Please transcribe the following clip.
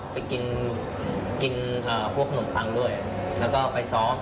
ไปกินกินพวกขนมปังด้วยแล้วก็ไปซ้อม